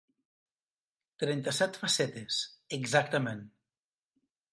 Trenta-set facetes, exactament.